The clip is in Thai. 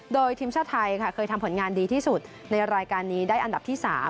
โดยทีมชาติไทยค่ะเคยทำผลงานดีที่สุดในรายการนี้ได้อันดับที่๓